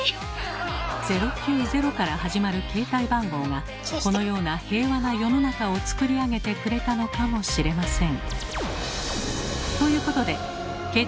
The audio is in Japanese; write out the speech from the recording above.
「０９０」から始まる携帯番号がこのような平和な世の中をつくり上げてくれたのかもしれません。